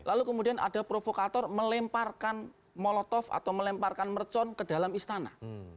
lalu kemudian ada provokator melemparkan molotov atau melemparkan mercon ke dalam istana